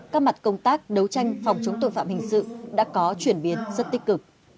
các mặt công tác đấu tranh phòng chống tội phạm hình sự đã có chuyển biến rất tích cực